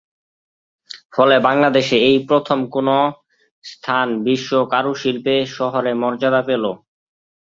ফলে বাংলাদেশে এই প্রথম কোনো স্থান বিশ্ব কারুশিল্প শহরের মর্যাদা পেল।